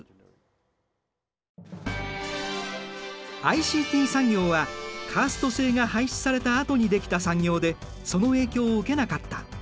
ＩＣＴ産業はカースト制が廃止されたあとに出来た産業でその影響を受けなかった。